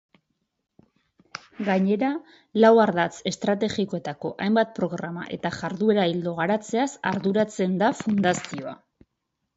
Gainera, lau Ardatz Estrategikoetako hainbat programa eta jarduera-ildo garatzeaz arduratzen da fundazioa.